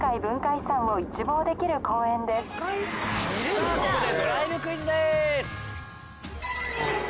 さぁここで。